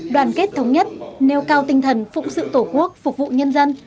đoàn kết thống nhất nêu cao tinh thần phụng sự tổ quốc phục vụ nhân dân